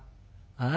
ああ。